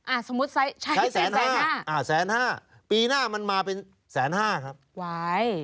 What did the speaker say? สมมุติใช้ใช้แสนห้าอ่าแสนห้าปีหน้ามันมาเป็นแสนห้าครับว้าย